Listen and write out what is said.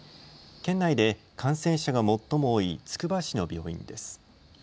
県内で感染者が最も多いつくば市の病院です。